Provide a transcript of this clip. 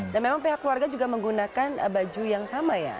dan memang pihak keluarga juga menggunakan baju yang sama ya